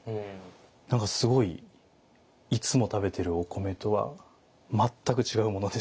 何かすごいいつも食べてるお米とは全く違うものでした。